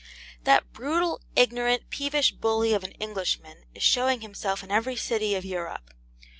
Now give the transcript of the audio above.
That brutal, ignorant, peevish bully of an Englishman is showing himself in every city of Europe.